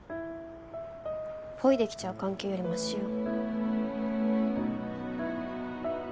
ポイできちゃう関係よりましよ